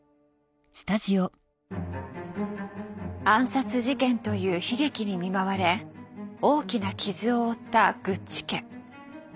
暗殺事件という悲劇に見舞われ大きな傷を負ったグッチ家。